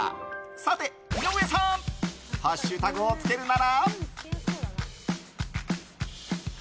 さて、井上さんハッシュタグをつけるなら？